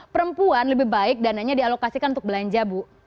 perempuan lebih baik dananya dialokasikan untuk belanja bu